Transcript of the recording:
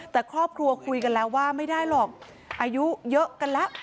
แต่ครอบครัวคุยกันแล้วว่าไม่ได้หรอกอายุเยอะกันแล้ว